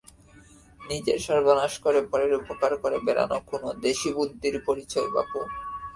নিজের সর্বনাশ করে পরের উপকার করে বেড়ানো কোন দেশী বুদ্ধির পরিচয় বাপু?